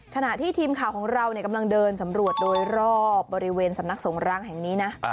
ขณะที่ทีมข่าวของเรากำลังเดินสำรวจโดยรอบบริเวณสำนักสงร้างแห่งนี้นะ